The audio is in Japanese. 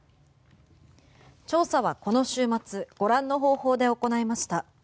調査はこの週末ご覧の方法で行いました。